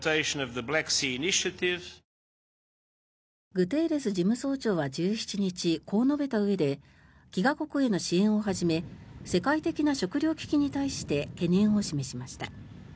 グテーレス事務総長は１７日こう述べたうえで飢餓国への支援をはじめ世界的な食糧危機に対して懸念を示しました。